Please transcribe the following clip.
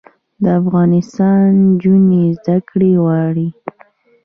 د افغانستان نجونې زده کړې غواړي